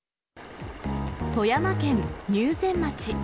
富山県入善町。